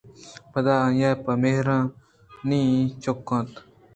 پدا آئیءَ پہ مہروا نی ءَ چکّ اِت